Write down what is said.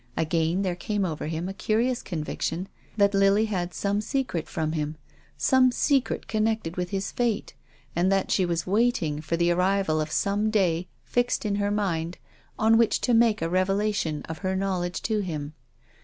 Again there came over him a curious conviction that Lily had some secret from him, some secret connected with his fate, and that she was waiting for the arrival of some day, fixed in her mind, on which to make a revelation of her knowledge to him.